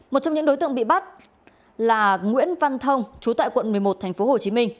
một trong những đối tượng bị bắt là nguyễn văn thông chú tại quận một mươi một tp hcm